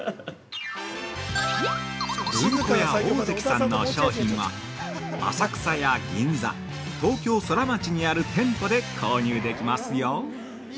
◆文庫屋大関さんの商品は、浅草や銀座、東京ソラマチにある店舗で購入できますよ。